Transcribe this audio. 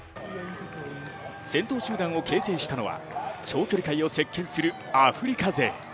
先頭集団を形成したのは長距離界を席けんするアフリカ勢。